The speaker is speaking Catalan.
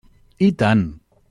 I tant!